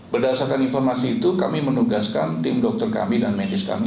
berdasarkan informasi itu kami menugaskan tim dokter kami dan medis kami